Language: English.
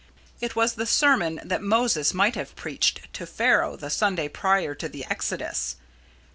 It was the sermon that Moses might have preached to Pharaoh the Sunday prior to the exodus.